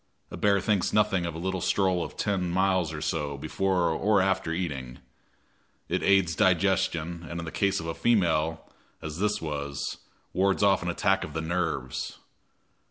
A bear thinks nothing of a little stroll of ten miles or so before or after eating. It aids digestion, and in case of a female, as this was, wards off an attack of the nerves.